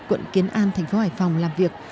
quận kiến an thành phố hải phòng làm việc